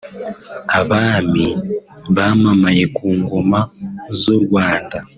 abami bamamaye ku ngoma z’u Rwanda